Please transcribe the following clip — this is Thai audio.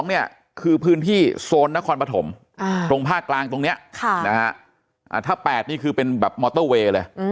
อ่าถ้าแปดนี่คือมอเตอร์เวย์เลย